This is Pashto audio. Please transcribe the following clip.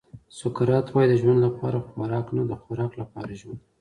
سقراط وایي د ژوند لپاره خوراک نه د خوراک لپاره ژوند.